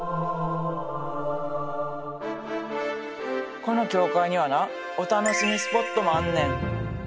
この教会にはなお楽しみスポットもあんねん。